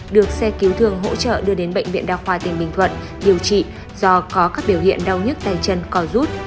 được xe cứu thương hỗ trợ đưa đến bệnh viện đa khoa tỉnh bình thuận điều trị do có các biểu hiện đau nhức tay chân coi rút